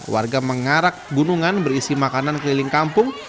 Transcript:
warga mengarak gunungan berisi makanan keliling kampung